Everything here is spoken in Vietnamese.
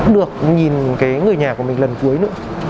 được nhìn cái người nhà của mình lần cuối nữa